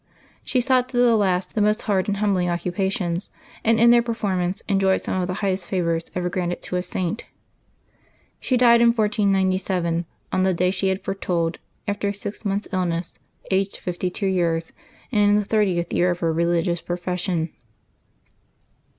She sought to the last the most hard and humbling occupations, and in their per formance enjoyed some of the highest favors ever granted to a Saint. She died in 1497, on the day she had foretold, after a six months' illness, aged fifty two years, and in the thirtieth of her religious profession.